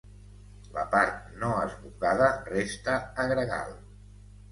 La part no esbucada resta a gregal.